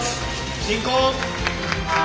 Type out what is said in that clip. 進行。